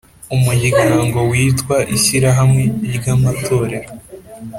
Umuryango witwa ishyirahamwe ry amatorero